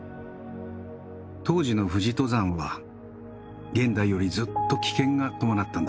当時の富士登山は現代よりずっと危険が伴ったんだ。